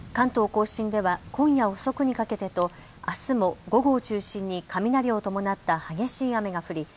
甲信では今夜遅くにかけてとあすも午後を中心に雷を伴った激しい雨が降り